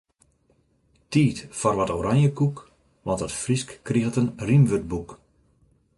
Tiid foar wat oranjekoek, want it Frysk kriget in rymwurdboek.